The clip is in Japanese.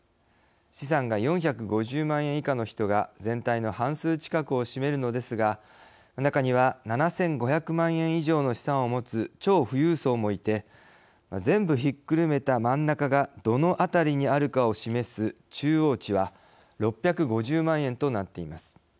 資産が４５０万円以下の人が全体の半数近くを占めるのですが中には７５００万円以上の資産を持つ超富裕層もいて全部ひっくるめた真ん中がどのあたりにあるかを示す中央値は６５０万円となっています。